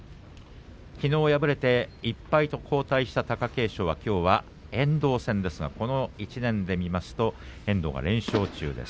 きのう敗れて１敗と後退した貴景勝はきょうは遠藤戦ですがこの１年で見ますと遠藤が連勝中です。